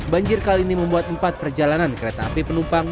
banjir kali ini membuat empat perjalanan kereta api penumpang